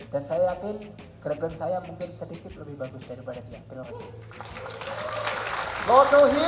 dan saya yakin gergen saya mungkin sedikit lebih bagus daripada dia